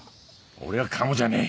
俺はカモじゃねえ。